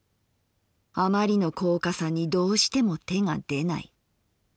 あまりの高価さにどうしても手が出ない。